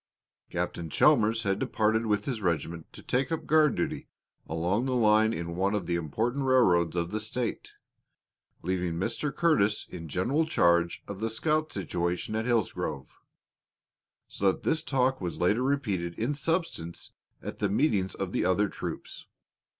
Captain Chalmers had departed with his regiment to take up guard duty along the line in one of the important railroads of the State, leaving Mr. Curtis in general charge of the scout situation at Hillsgrove; so that this talk was later repeated in substance at meetings of the other troops.